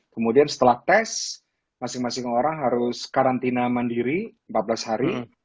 kemudian setelah tes masing masing orang harus karantina mandiri empat belas hari